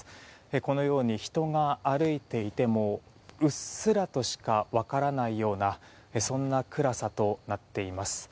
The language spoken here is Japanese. このように人が歩いていてもうっすらとしか分からないようなそんな暗さとなっています。